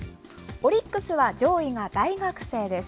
オリックスは上位が大学生です。